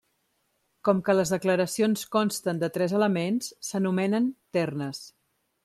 Com que les declaracions consten de tres elements s'anomenen ternes.